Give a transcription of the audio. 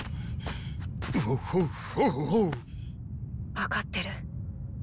わかってる。